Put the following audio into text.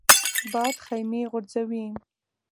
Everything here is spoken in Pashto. باد خیمې غورځوي